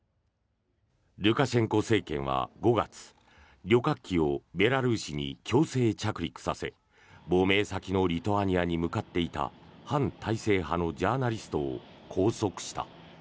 ルカシェンコ政権は５月旅客機をベラルーシに強制着陸させ、亡命先のリトアニアに向かっていた反体制派のジャーナリストを拘束した。